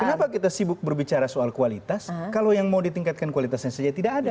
kenapa kita sibuk berbicara soal kualitas kalau yang mau ditingkatkan kualitasnya saja tidak ada